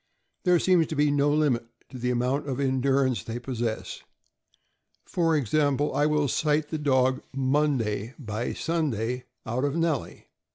There seems to be no limit to the amount of endurance they possess. For example, I will cite the dog Monday, by Sunday, out of Nellie.